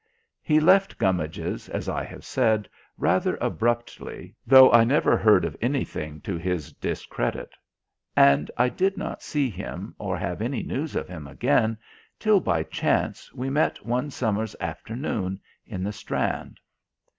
He left Gummidge's, as I have said, rather abruptly, though I never heard of anything to his discredit. And I did not see him or have any news of him again till by chance we met one summer's afternoon in the Strand.